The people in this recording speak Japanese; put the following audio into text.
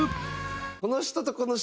この人とこの人